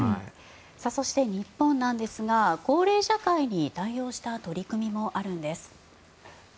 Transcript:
そして日本なんですが高齢社会に対応した取り組みもあるようです。